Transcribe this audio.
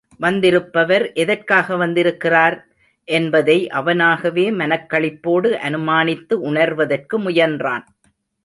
வந்திருப்பவர் எதற்காக வந்திருக்கிறார்? என்பதை அவனாகவே மனக் களிப்போடு அனுமானித்து உணர்வதற்கு முயன்றான்.